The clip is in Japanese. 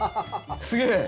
すげえ！